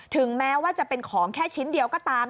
ถึงแม้ว่าจะเป็นของแค่ชิ้นเดียวก็ตาม